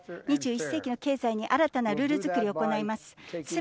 ２１世紀の経済に新たなルール作りを行います。